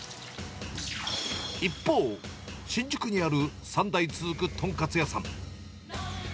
一方、新宿にある３代続く豚カツ屋さん。